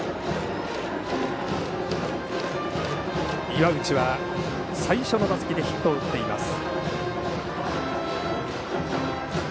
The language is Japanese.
岩内は最初の打席でヒットを打っています。